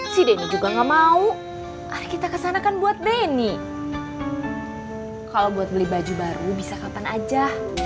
sih deni juga enggak mau kita kesanakan buat deni kalau buat beli baju baru bisa kapan aja